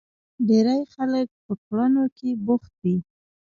ډېری خلک په کړنو کې بوخت وي.